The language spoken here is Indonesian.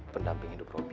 pendamping hidup robi